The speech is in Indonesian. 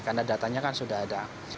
karena datanya kan sudah ada